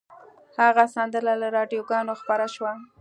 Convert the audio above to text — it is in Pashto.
هغه سندره له راډیوګانو خپره شوه